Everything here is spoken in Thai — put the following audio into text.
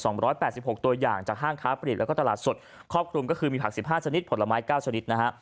ก็มี๒๘๖ตัวอย่างจากห้างค้าผลิตและก็ตลาดสดครอบครุมก็คือมีผัก๑๕ชนิดผลไม้๙ชนิดนะฮะ